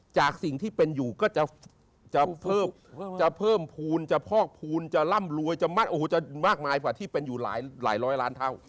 จากสิ่งที่เป็นอยู่ก็จะเพิ่มภูมิจะพอกภูมิจะร่ำรวยจะมัดโอ้โหจะมากมายกว่าที่เป็นอยู่หลายร้อยล้านเท่า